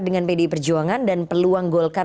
dengan pdi perjuangan dan peluang golkar